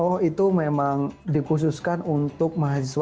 oh itu memang dikhususkan untuk kembali ke indonesia